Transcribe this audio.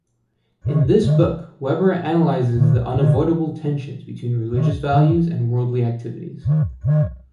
In this book Weber analyses the unavoidable tensions between religious values and worldly activities.